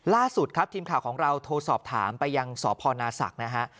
ล่าสุดครับทีมข่าวของเราโทรสอบถามไปยังสพนาศักดิ์นะฮะ